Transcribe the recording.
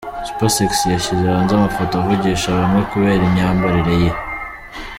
Supersexy yashyize hanze amafoto avugisha bamwe kubera imyambarire ye .